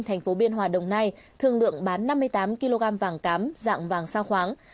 thành phố biên hòa đồng nai thương lượng bán năm mươi tám kg vàng cám dạng vàng sao khoáng